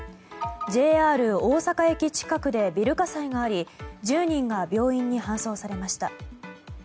ＪＲ大阪駅近くでビル火災があり１０人が病院に搬送されました。